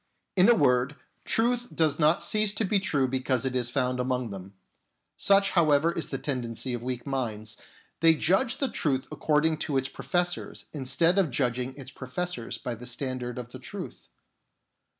In a word, truth does not cease to be true because it is found among them. Such, however, is the tendency of weak minds : they judge the truth according to its professors instead of judging its professors by the standard of the truth.